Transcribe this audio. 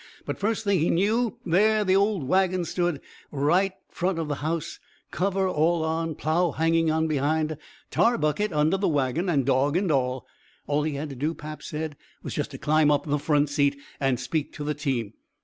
But first thing he knew, there the old wagon stood, front of the house, cover all on, plow hanging on behind, tar bucket under the wagon, and dog and all. All he had to do, pap said, was just to climb up on the front seat and speak to the team.